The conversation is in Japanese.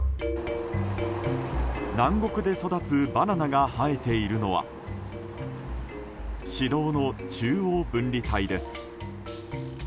南国で育つバナナが生えているのは市道の中央分離帯です。